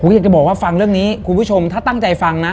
อยากจะบอกว่าฟังเรื่องนี้คุณผู้ชมถ้าตั้งใจฟังนะ